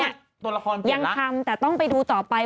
ตัวละครเปลี่ยนแล้วยังทำแต่ต้องไปดูต่อไป